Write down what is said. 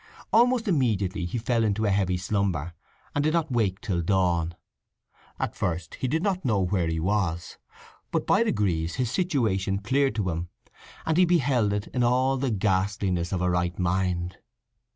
Almost immediately he fell into a heavy slumber, and did not wake till dawn. At first he did not know where he was, but by degrees his situation cleared to him, and he beheld it in all the ghastliness of a right mind.